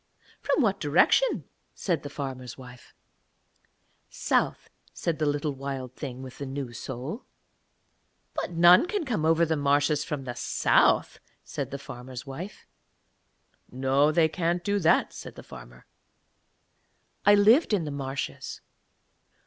'From what direction?' said the farmer's wife. 'South,' said the little Wild Thing with the new soul. 'But none can come over the marshes from the south,' said the farmer's wife. 'No, they can't do that,' said the farmer. 'I lived in the marshes.'